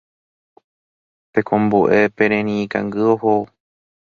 Tekomboʼe pererĩ ikangy ohóvo.